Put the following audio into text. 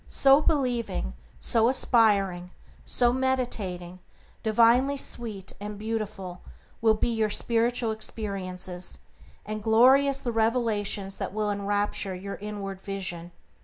So believing, so aspiring, so meditating, divinely sweet and beautiful will be your spiritual experiences, and glorious the revelations that will enrapture your inward vision.